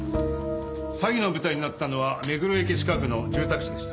詐欺の舞台になったのは目黒駅近くの住宅地でした。